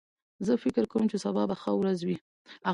زه فکر کوم چې سبا به ښه ورځ وي